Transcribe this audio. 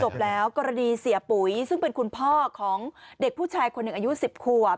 กรณีเสียปุ๋ยซึ่งเป็นคุณพ่อของเด็กผู้ชายคนหนึ่งอายุ๑๐ขวบ